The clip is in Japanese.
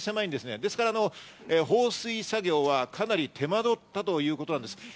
ですから、放水作業はかなり手間取ったということなんです。